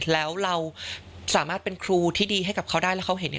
แล้วเราสามารถเป็นครูที่ดีให้กับเขาได้แล้วเขาเห็นเนี่ย